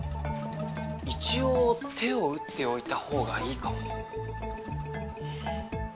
一応手を打っておいたほうがいいかもうん。